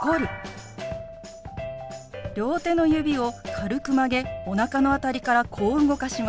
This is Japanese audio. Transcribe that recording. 両手の指を軽く曲げおなかの辺りからこう動かします。